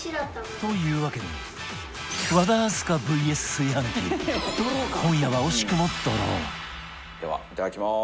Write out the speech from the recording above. というわけで和田明日香 ＶＳ 炊飯器今夜は惜しくもドローではいただきます。